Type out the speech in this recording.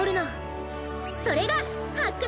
それがはっく